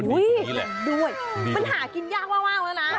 อุ้ยด้วยปัญหากินยากว้างแล้วนะ